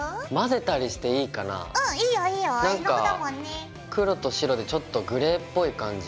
なんか黒と白でちょっとグレーっぽい感じ。